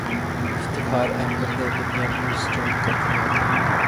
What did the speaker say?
افتخار احمد نے Dunya News join کر لیا